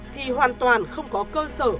thì hoàn toàn không có cơ sở